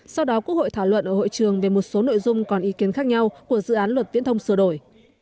sau đó quốc hội thảo luận ở hội trường về một số nội dung còn ý kiến khác nhau của dự án luật viễn thông sửa đổi